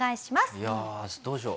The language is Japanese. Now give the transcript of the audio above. いやあどうしよう？